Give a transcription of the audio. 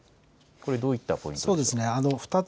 これどういったポイントが。